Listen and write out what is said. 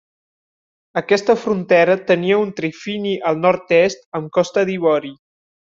Aquesta frontera tenia un trifini al nord-est amb Costa d'Ivori.